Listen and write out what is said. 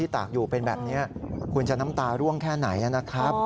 ตากอยู่เป็นแบบนี้คุณจะน้ำตาร่วงแค่ไหนนะครับ